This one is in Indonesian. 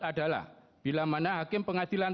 adalah bila mana hakim pengadilan